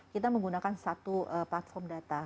kita menggunakan satu platform data